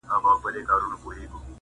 • ځکه نه خېژي په تله برابر د جهان یاره,